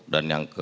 dan yang keempat